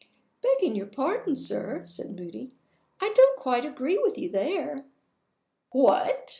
"Begging your pardon, sir," said Moody, "I don't quite agree with you there." "What!